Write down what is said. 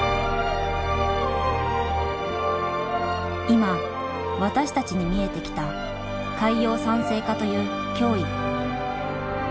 今私たちに見えてきた海洋酸性化という脅威。